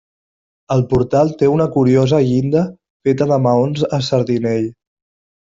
El portal té una curiosa llinda feta de maons a sardinell.